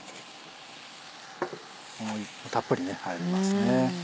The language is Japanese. たっぷり入りますね。